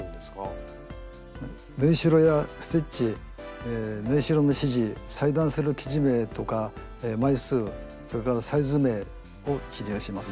スタジオ縫いしろやステッチ縫いしろの指示裁断する生地名とか枚数それからサイズ名を記入します。